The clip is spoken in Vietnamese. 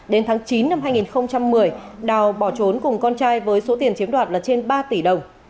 đến tháng chín năm hai nghìn một mươi đào bỏ trốn cùng con trai với số tiền chiếm đoạt là trên ba tỷ đồng